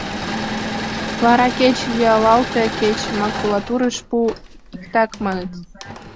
Вара кеч йӱлалте, кеч макулатурыш пу — иктак, маныт.